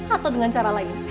atau dengan cara lain